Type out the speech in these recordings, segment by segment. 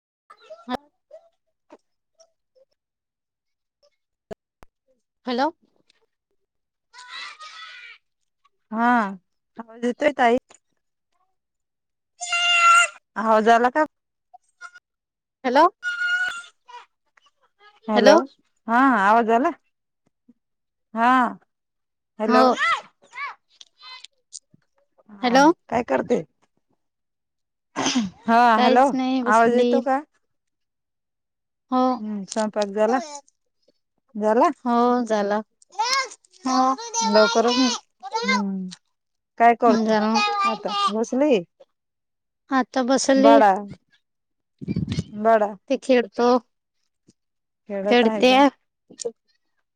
[unintelligible] Hello! आवाज येतोय ताई? आवाज आला का? हॅलो! हॅलो हा आवाज आला हा- हो हॅलो! हा हॅलो काय करते? हा हॅलो! काहीच नाही बसली हो हम्म स्वयंपाक झाला झाला. हो झाला हो लवकर हम्म काय करतो झाला. आता बसली. आता बसली बाळा बाळा ते खेळतो खेळत आहे का खेळत्या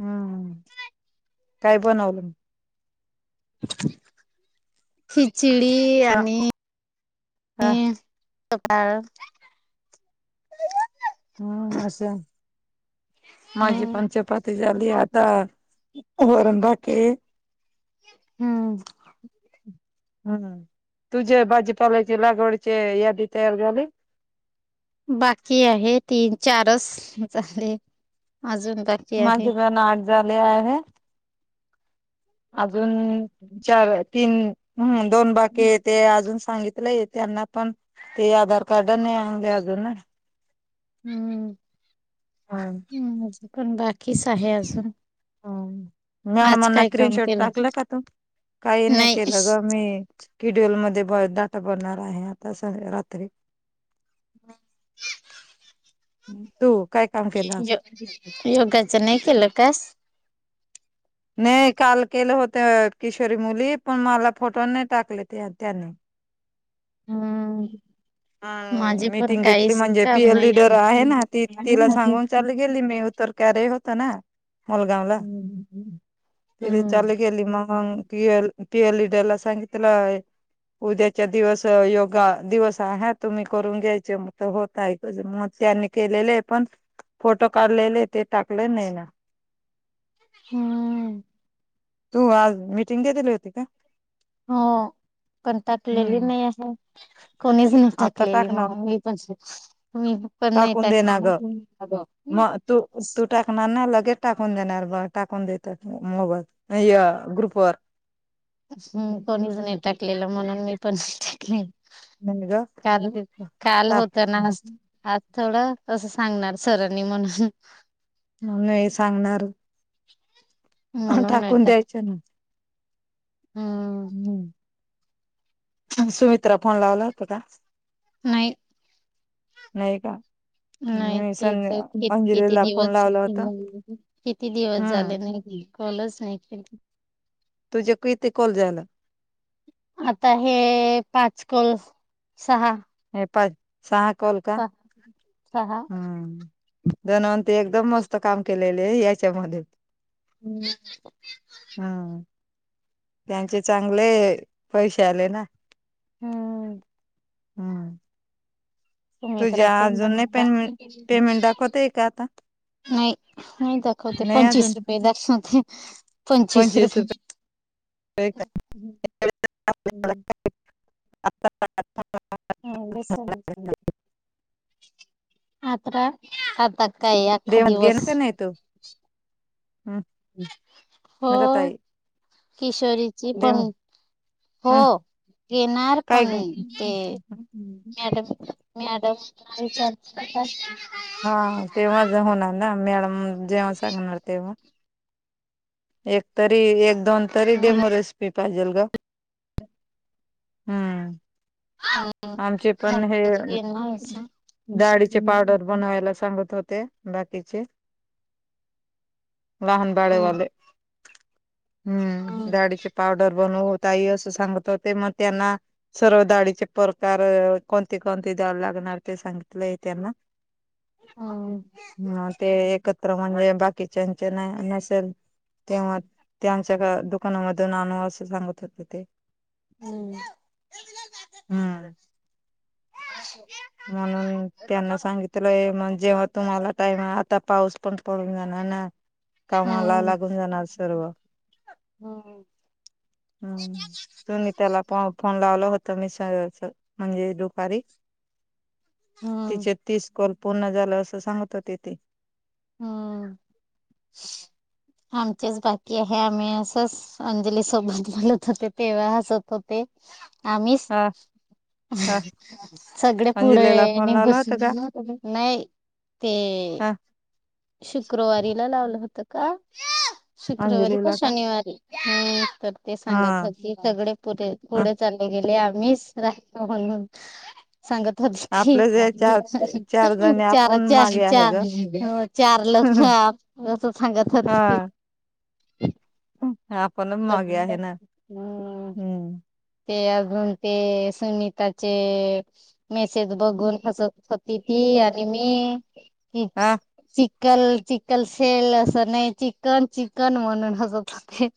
हम्म. काय बनवलं म- [unintelligible] खिचडी हा आणि- डाळ हम्म असं माझी चपाती झाली आता. वरण बाकी आहे. हम्म. हम्म तुझ्या भाजीपालाची लागवडची यादी तयार झाली. बाकी आहे तीन चारच झाले? अजून बाकी माझे आहे. पण आठ झाले आहे अजून चार तीन दोन हम्म बाकी ते अजून सांगित- त्यांना पण ते आधार कार्ड नाही आणले अजून. हम्म पण बाकीच आहे अजून? आज मॅडमना काय स्क्रीन काम शॉट केलं टाकला का तू? काही नाही केलं गं मी कीडल मध्ये परत दाटा भरणार आहे आता रात्री. [unintelligible] तु. य योगाचा नाही केला क्लास. नाही काल केलं होत किशोरी मुली पण मला फोटो नाही टाकले त्यांनी. हम्म हा माझे पण मीटिंग घेतली काहीच म्हणजे काम पीयल नाही. लीडर आहे ना ती तिला सांगून चालू केली मी. तर काय रे हो! ना मलगाव ला- हम्म. त्या लिडरला सांगितलं उद्याच्या दिवस योगा दिवस- हा तुम्ही करून घ्यायचे मग होत आहे मग त्यांनी केलेले आहे पण. फोटो काढलेले ते टाकले नाही ना? हम्म तू आज मिटिंग घेतलेली होती का? हो पण ताकलेली हम्म नाही आहे कोणी. आता टाकलेली टाकणार मग मी पण मी पण नाही टाकून देणार ग टाकणार? मग तू तू टाक ना लग टाकून देणार ब टाकून देतात मोगत ग्रुप वर हम् कोणीच नाही टाकलेलं म्हणून मी पण नाही टाकले नाही ग काल काल होत ना आज नाही आज थोडं असं सांगणार सरांनी म्हणून नाही सांगणार ह म्हणून नाही टाकून टाकलं. द्यायच ना हम्म हम्म सुमित्रा फोन लावला होत का नाही नाही का नाही मी ते तर संध्या किती किती अंजलीला फोन दिवस लावला होता किती दिवस झाले हम्म नाही कोणाच नाही तुझ्याक इथे कॉल झाला आता हे पाच कॉल सहा हा सहा कॉल का सहा सहा. [inaudible] एकदम मस्त काम केलेले याच्यामध्ये हम्म हम्म त्यांचे चांगले पैसे आले ना हम्म हम्म तुझ्या सुमित्राचे अजून पण का- नाही पेमेंट दाखवते आहे का आता नाही नाही दाखवते नाही पंचवीस अजून रुपये दाखवत आहे पंचवीस रुप [unintelligible] हा बस आता काय अख्खा डेमात गेला दिवस का नाही तू हम्म हो नका ताई किशोरीची पण डेम हो येेणार काय पण ते मॅडम मॅडम विचार हा तेव्हा होणार ना मॅडम जेव्हा सांगणार तेव्हा एक तरी एक दोन तरी डेमोर पाहिजेल ग हम्म आमचे पण हे डाळी चे पावडर बनवायला सांगत होते बाकीचे लहान बाळेवाले हम्म डाळीचं पावडर ई अस सांगत होते मग त्यांना सर्व डाळीचे प्रकार कोणते कोण द्याव लागणार ते सांगितल त्यांना हा मग ते म्हणजे बाकीच्याचे नाही नसेल तेव्हा त्यां आमच्या दुकानामधून आणू असं सांगत होते ते हम्म हम्म म्हणून त्यांना सांगितलं जेव्हा तुम्हाला टाइम आता पाऊस पण पडून जाणार ना कामाला ला [unintelligible] लावलं होत मी स म्हणजे दुपारी तिचे तीस कॉल पूर्ण झालं असं सांगत होते ती हम्म आमचेच बाकी आहे आम्ही असच अंजली सोबत बोलत होते तेव्हा हसत होते आमि हा हा सगळे अंजलीला फोन पुढे लावला होता बसून का नाही ते हा शुक्रवारीला लावलं होत का शुक्रवारी का शनिवारी हम्म, तर ते सांगत हा होती सगळे पुरे पुढे चालले गेले. मीस राहतो म्हणून. सांगत होती ती आपल्या चार चार जणी चार, आपण चार, मागे आहे चार ग चार लक अस सांगत होती ती.. हा आपणच कध मागे आहे ना हम्म,, हम्म ते अजून ते सुनीताचे मेसेज बघून हसत होती ती.. ती आणि मी. हा चिकल चिकल शेल असं नाही चिकन चिकन म्हणून हसत होती..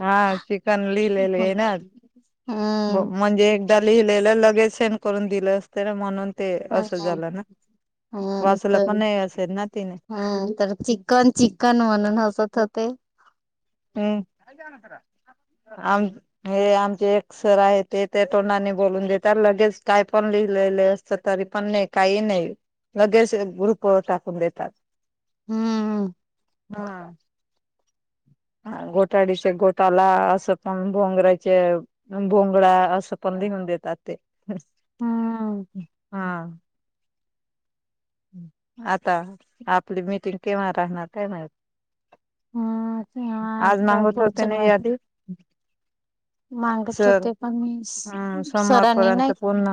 हा चिकन लिहिलेले आहे ना,, हम्म म्हणजे एकदा. लिहिले लगेच सेंड करून दिलं असत ना म्हणून.. ते हा असं हा झालं ना हा वाचलं पण कर. नाही असेल ना तिने हा तर चिकन चिकन म्हणून हसत होते. हम्.. आम हे आमचे एक सर आहे ते त्या तोंडानी बोलून देतात लगेच काय पण लि.. लेले असतं तरी पण नाही, काय नाही लगेच ग्रुपवर टाकून देतात. हम्म हम्.. ह घोटाडीच्या गोटाला असं पण भोंगरा्याचे भोंगरा.. सपने हते त ते हम्म हा.. आता,, आपली मिटिंग केव्हा राहणार काय माहित.. हा तेव्हा आज ना आता होत होते पुढच्या नाही म याआधी.. मागत चल होते पण मी हम्,, सरांनी सोमवारपर्यंत नाही पूर्ण.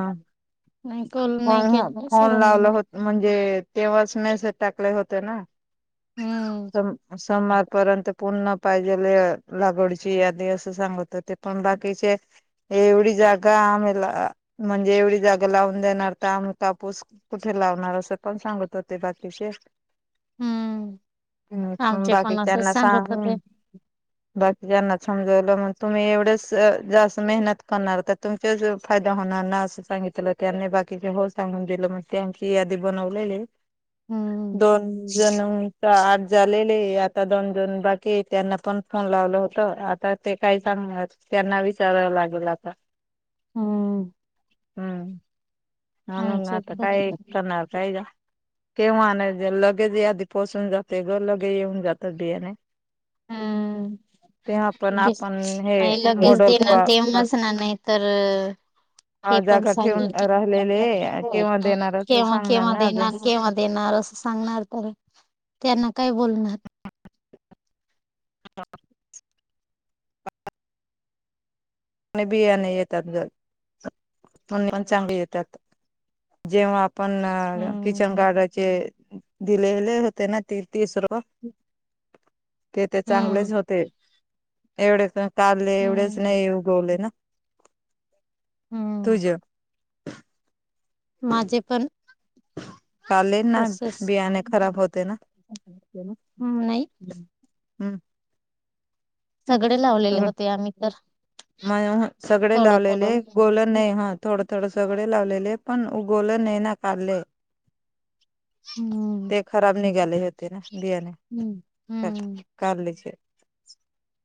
नाही कॉल हो नाही ह केलं फोन लावला सरांनी होतं.. म्हणजे तेव्हाच मेसेज टाकले होते ना.. हम्म सो सोमवार पर्यंत. रन पाहिजे लागवडची यादी असं सांगत होते पण बाकीचे एवढी. जागा आमेला म्हणजे एवढी जागा लावून देणार तर आम कापूस कुठं. ठे लावणार असं पण सांगत होते बाकीचे. हम्म हम् आमचे बाकी पण असंच त्यांना सांग. सांगत होते बाकी जना समजवलं मग तुम्ही एवढेच जास्त मेहनत करणार तर तुमच्याच फायदाे. होनाना असं सांगितलं त्यांनी बाकीचे हो सांगून दिलं मग त्यांख यादी बनवलेले.. हम्म दोन जण तर आठ झालेले.. आता दोन दोन बाकी त्यांना पण फोन लावलं होत आता ते काही सांगणार त्यांना विचारा... लागेल आता.. हम्म... हम्म म्ह ना आमचे आता पण काय करणार काय का.. केव्हाे लगेच यादी पोचून जाते ग लगे येऊन जातात बियाणे. [inaudible] आपण हे ले लगेच मॉडल देणार तेमच ना नाही तरर. ‌ हा हे पण जागा सांग.. ठेवून राहिलेले केव्हा देणार असं केव्हा सांगणार केव्हा ना दे अजून येणार केव्हा दे येणार असं सांगणार तरी... त्यांना काय बोलणार.. हा.. [unintelligible] बियाणे येतात ग पण म चांगले येतात.. जेव्हा आपण किचन हम्म गागचे दिलेले होते ना ती तीस रुप ते ते हम्म चांगलेच होते एवढे काढले एवढेच हम्म नाही ओ न हम्म तुज माझे पण काले ना तसच बियाणे खराब होते ना हम्म, नाही हम्म. सगडे लावलेले होते आम्ही तर म सगळे थोडं लावलेले थोडं गोल नाही ह थो ड सगडे लावलेले पण उगवलं नायी ना कारले हम्म ते खराब निघाले होते ना बियाणे हम्म हम्म कारल्याचे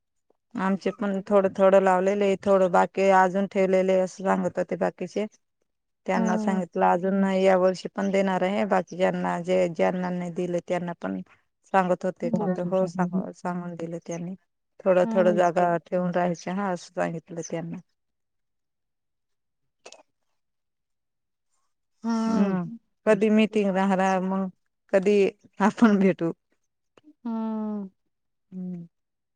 [inaudible] आमचे पण थोडं थोडं लावलेले थोडं बाकीय अजून ठेवलेले आहे अस होते बाकीचे हा त्यांना सांगितलं अजून नायी या वर्षी पण देणारय बाकी ज्यांना जे ज्यांना जे दिलं त्यांना पण सांगत होते का ते? हो हम्म सांग सांगून गेलं त्यांनी थोडं थोडं जागा ठेवून राहाच्या हा असं सांगितलं त्यांनी हम्म कधी मिटिंग रा रहा मग कधी आपण भेटू हम्म. [unintelligible]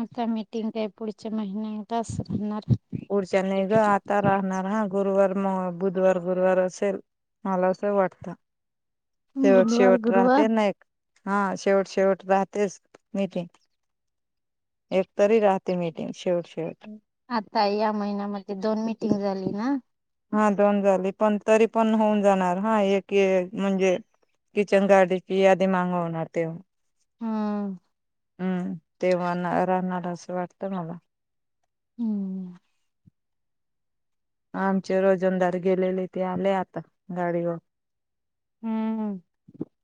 आता मीटिंग काय पुढच्या महिन्यातच होणार. पुढच्या नाही ग आता राहणार हा गुरुवार म बुधवार गुरुवार असेल मला असं वाटतं. शेवट बुधवार शेवट गुरुवार राहते नेक हा शेवट शेवट राहतेच मीटिंग एकतरी राहते मीटिंग शेवट शेवट आता या महिन्यामध्ये दोन मिटिंग झाली ना. हा दोन झाली पण तरी पण होऊन जाणार हा एक ये म्हणजे किचन गार्डची यादी मागावंणार तेव हम्म. हम्म तेव्हा ना राहणार असं वाटतं मला हम्म. आमचे रोजंदार गेलेले ते आले आता गाडीवर हम्म.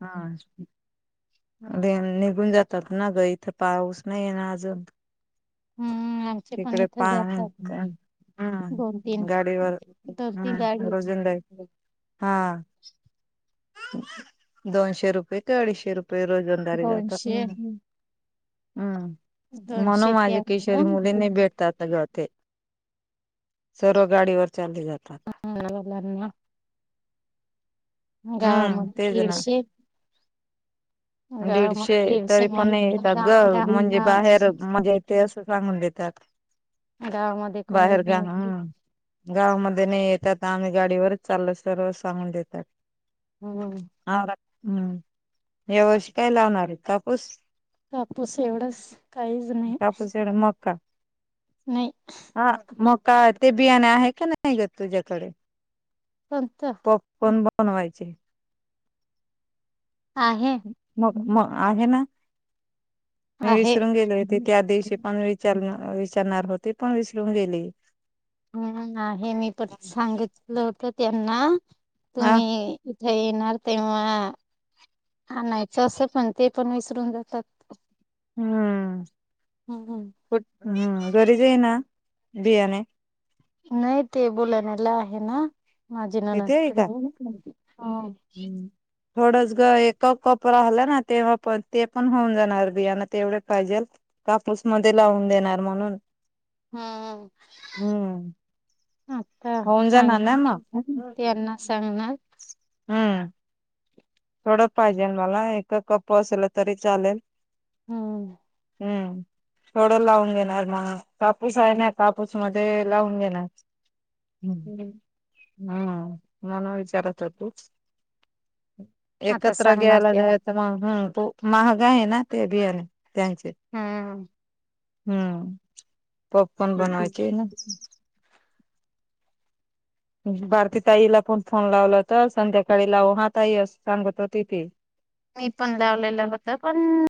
हा. नि निघून जातात ना ग इथं पाऊस नाही ना अजून हम्म आमचे पण तिकडे इथे पा जातात. दोन हम्म तीन गाडीवर दोन तीन हम्म गाडी रोजंदारी हा. दोनशे रुपये ते अडीचशे रुपये रोजंदारी जातात. दोनशे हम्म दोनशे म्हणून ते माझ्या केशरी मुली [unintelligible] भेटतात आता ग सर्व गाडीवर चाल्ली जातात. मुलांना गावा म हम्म तेच ना दीडशे दीडशे गावामध्ये तरी दीडशे पण येतात ग म्हणून म्हणजे बाहेर म्हणजे ते असं सांगून देतात गावामध्ये कोणीच बाहेर गा नाही ह गावामध्ये तेनी येतात आम्ही गाडीवरच चाल सर्व सांगून देतात. हम्म. हम्म यावर्षी काय लावणारये? कापूस. कापूस एवढंच काहीच नाही कापूस एवढ मका नाही हा मग का ते बियाणे आहे का नाही ग तुझ्याकडे कोणत पप पण बनवायचे आहे मग मग आहे ना मी आहे विसरून गेलो होते त्या दिवशी पण विचारण विचारणार होती पण विसरून गेली हम् आहे मी पण सांगितलं होत त्यांना हा तुम्ही येणार तेव्हा आणायचं असं पण ते पण विसरून जातात हम्म हम्म कठ हम्म घरी जईना बियाणे नय ते बोलाण्याला आहे ना माझी ननंद तिथे आहे कड का हम्म थोडच ग एकच कोपरा हल्ला ना तेव्हा पण ते पण होऊन जाणार बियाण तेवढे पाहिजेल कापूसमध्ये लावून देणार म्हणून हम्म हम्म आता होऊन सांग जाणार ना मग त्यांना सांगणार हम्म थोडं पाहिजेल मला एक कप असलं तरी चालेल हम्म हम्म थोडं लावून घेणार मग कापूस आहे ना कापूस मध्ये लावून घेणार हम्म हम्म मला विचारतो तूच आता एकत्र सांगणार घ्यायला त्या जायचं मग हम तो महाग आहे ना ते बियर त्यांचे हम्म हम्म पॉपकॉर्न बनवायचे आहे ना भारती ताईला पण फोन लावला तर संध्याकाळी लाव हा ताई अस सांगत होती ती मी पण लावलेलं होत पण